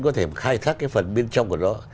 có thể khai thác cái phần bên trong của nó